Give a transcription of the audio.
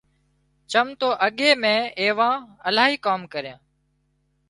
چم تو اڳي مين ايوان الاهي ڪام ڪريان